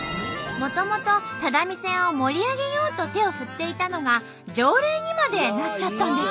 もともと只見線を盛り上げようと手を振っていたのが条例にまでなっちゃったんです。